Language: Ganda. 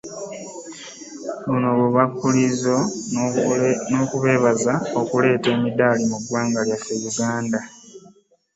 Buno bubakulisa n'okubeebaza okuleeta emidaali mu ggwanga lyaffe Uganda